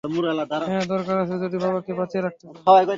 হ্যাঁ দরকার আছে, যদি বাবাকে বাঁচিয়ে রাখতে চান।